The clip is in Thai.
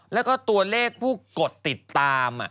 แล้วก็ตัวเลขผู้กดติดตาม